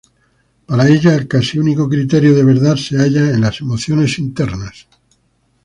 Para ella, el casi único criterio de verdad se halla en las emociones internas.